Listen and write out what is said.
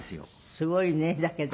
すごいねだけど。